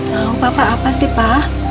mau papa apa sih pa